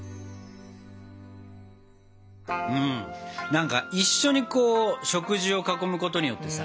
何か一緒に食事を囲むことによってさ